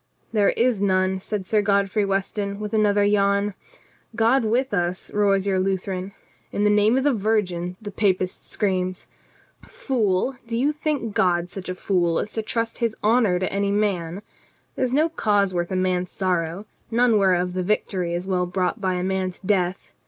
"There is none," said Sir Godfrey Weston with another yawn. " 'God with us !' roars your Lu theran. 'In the name of the Virgin !' the Papist screams. Fool, do you think God such a fool as to trust His honor to any man ? There is no cause worth a man's sorrow, none whereof the victory is. well bought by a man's death.